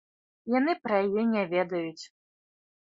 Яны пра яе не ведаюць.